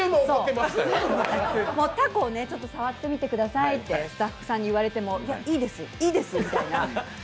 タコをちょっと触ってみてくださいってスタッフさんに言われてもいや、いいです、いいです、みたいな。